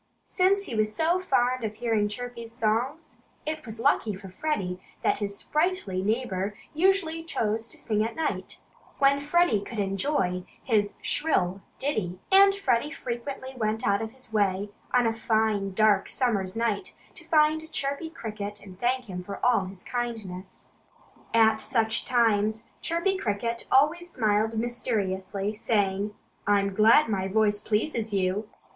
Since he was so fond of hearing Chirpy's songs, it was lucky for Freddie that his sprightly neighbor usually chose to sing at night, when Freddie could better enjoy his shrill ditty. And Freddie frequently went out of his way on a fine, dark, summer's night to find Chirpy Cricket and thank him for his kindness. At such times Chirpy Cricket always smiled mysteriously, saying "I'm glad my voice pleases you."